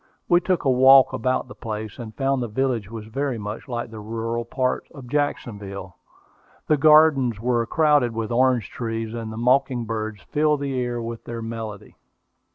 We took a walk about the place, and found the village was very much like the rural part of Jacksonville. The gardens were crowded with orange trees, and the mocking birds filled the air with their melody.